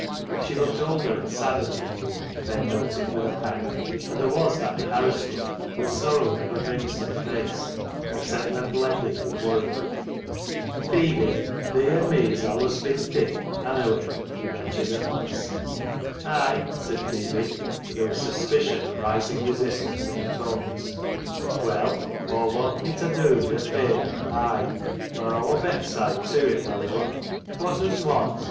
She looked older and sadder than of yore, Ben noted with a pang, and there was that harassed look which sorrow never brings to the face except when blended with worry. " Phebe, thee an' me's allls been thick, 'anna we ?" he ventured at last. 228 CLOG SHOP CHRONICLES "Ay," said Phebe, but there was suspicion and rising resistance in her tones. " Well, Aw want thi ta dew me a favour, ay, an' aw Beckside tew, if thaa will." " Wot dust want